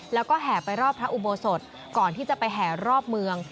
แล้วก็แห่ไปรอบพระอุโบสถก่อนที่จะไปแห่รอบเมือง